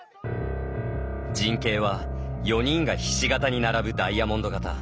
陣形は４人がひし形にダイヤモンド型。